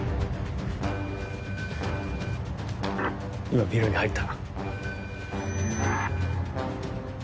今ビルに入った。